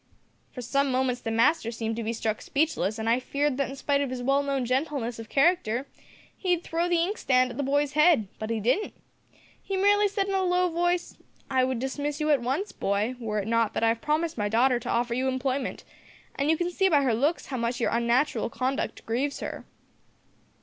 "For some moments master seemed to be struck speechless, an' I feared that in spite of his well known gentleness of character he'd throw the ink stand at the boy's head, but he didn't; he merely said in a low voice, `I would dismiss you at once, boy, were it not that I have promised my daughter to offer you employment, and you can see by her looks how much your unnatural conduct grieves her.'